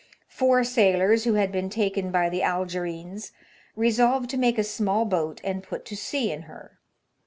Four sailors who had been taken by the Algerines, resolved to make a small boat, and put to sea in her.